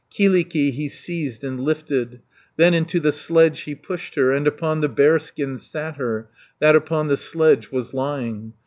Kyllikki he seized and lifted, Then into the sledge he pushed her, And upon the bearskin sat her, That upon the sledge was lying.